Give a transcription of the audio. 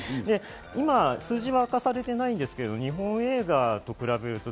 今、数字は明かされてないんですが、日本映画と比べると、